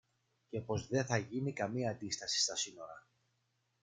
και πως δε θα γίνει καμιά αντίσταση στα σύνορα.